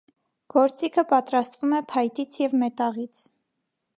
Գործիքը պատրաստվում է փայտից և մետաղից։